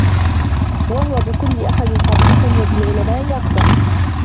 وَهُوَ بِكُلِّ أَحَدٍ قَبِيحٌ وَبِالْعُلَمَاءِ أَقْبَحُ